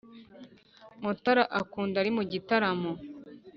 mutara akunda ari mu gitaramo